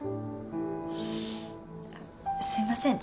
あっすいません。